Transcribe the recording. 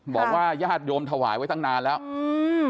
บอกว่ายาดโยมถวายไว้ตั้งนานแล้วอืม